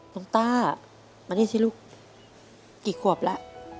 น้องตามานี่สิลูกกี่ขวบละ